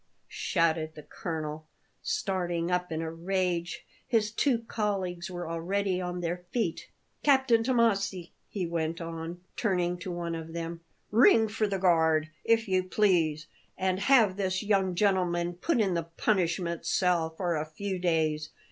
shouted the colonel, starting up in a rage; his two colleagues were already on their feet. "Captain Tommasi," he went on, turning to one of them, "ring for the guard, if you please, and have this young gentleman put in the punishment cell for a few days.